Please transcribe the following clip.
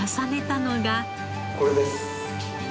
これです。